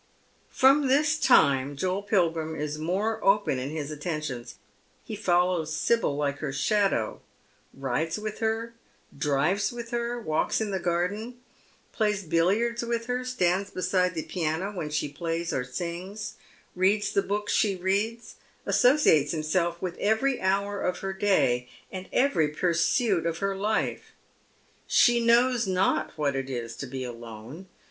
From this time Joel Pili^rim is more open in his attentionu He follows Sibyl like her shadow, rides with her, drives with her, walks in the garden, plays billiards with her, stands beside the piano when she plays or sings, reads the books she reads, associates himself with every hour of her day and every pursuit of her life. She knows not what it is to be alone.